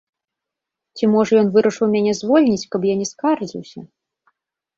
Ці можа, ён вырашыў мяне звольніць, каб я не скардзіўся?